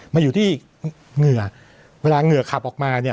มาอยู่ที่เหงื่อเวลาเหงื่อขับออกมาเนี่ย